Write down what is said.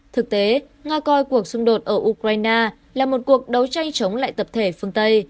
thực tế nga coi cuộc xung đột ở ukraine là một cuộc đấu tranh chống lại tập thể phương tây